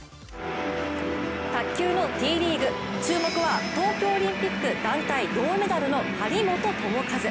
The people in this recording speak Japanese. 卓球のＴリーグ、注目は東京オリンピック団体銅メダルの張本智和。